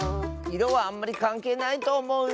いろはあんまりかんけいないとおもう。